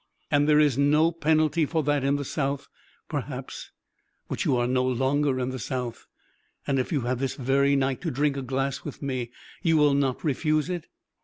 And there is no penalty for that in the South, perhaps; but you are no longer in the South. And if you have this very night to drink a glass with me, you will not refuse it?